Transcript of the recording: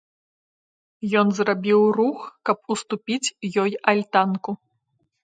Ён зрабіў рух, каб уступіць ёй альтанку.